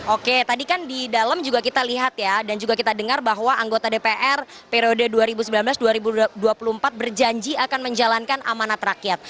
oke tadi kan di dalam juga kita lihat ya dan juga kita dengar bahwa anggota dpr periode dua ribu sembilan belas dua ribu dua puluh empat berjanji akan menjalankan amanat rakyat